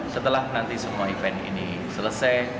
setelah nanti semua event ini selesai